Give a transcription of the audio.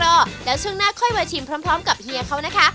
แล้วช่วงหน้าค่อยมาชิมพร้อมกับเฮียเขานะคะ